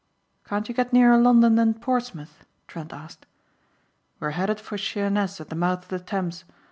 "Can't you get nearer London than Portsmouth?" Trent asked. "We're headed for Sheerness at the mouth of the Thames.